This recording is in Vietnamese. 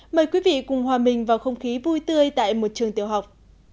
mời quý vị cùng hòa mình vào không khí vui tươi tại một trường tiểu học